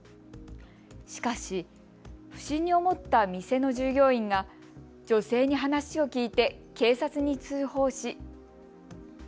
しかし、不審に思った店の従業員が女性に話を聞いて警察に通報し。